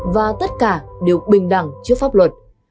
và tất cả đều bình đẳng trước pháp luật